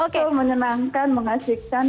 betul menyenangkan mengasihkan